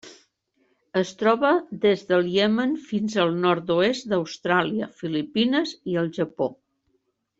Es troba des del Iemen fins al nord-oest d'Austràlia, Filipines i el Japó.